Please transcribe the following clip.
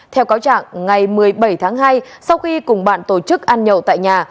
theo cáo trạng ngày một mươi bảy tháng hai sau khi cùng bạn tổ chức ăn nhậu tại nhà